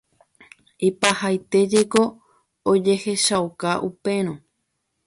Ipahaite jeko ojehechauka upérõ.